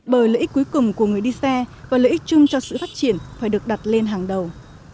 bởi lợi ích cuối cùng của người đi xe và lợi ích chung cho sự phát triển phải được đặt lên hàng đầu